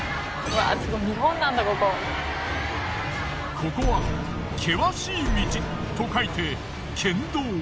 ここは険しい道と書いて。